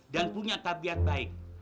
dan punya tabiat baik